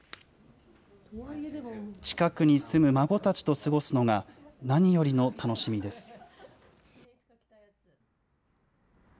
近くに住む孫たちと過ごすのが何よりの楽しみです。